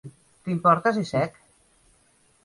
T'importa si sec?